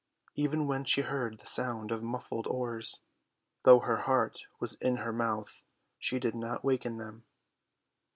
Even when she heard the sound of muffled oars, though her heart was in her mouth, she did not waken them.